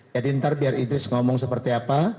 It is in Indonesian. jadi ntar biar idris ngomong seperti apa